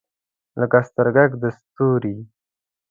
لکه سترګګ د ستوری